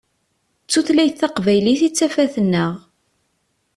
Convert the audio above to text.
D tutlayt taqbaylit i d tafat-nneɣ.